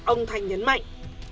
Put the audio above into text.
ông thành nhấn mạnh